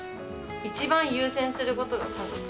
一番優先することが家族。